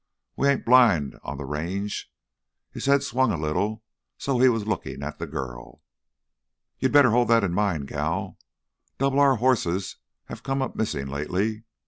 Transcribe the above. We ain't blind on th' Range." His head swung a little so he was looking at the girl. "You'd better hold that in mind, gal. Double R hosses have come up missin' lately.